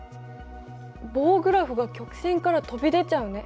棒グラフが曲線から飛び出ちゃうね。